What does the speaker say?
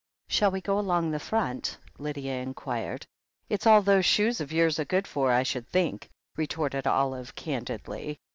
'Shall we go along the Front?" Lydia inquired. It's all those shoes of yours are good for, I should think," retorted Olive candidly.